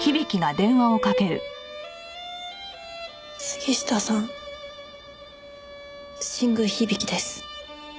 杉下さん新宮響です。